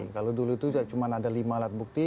kalau dulu itu cuma ada lima alat bukti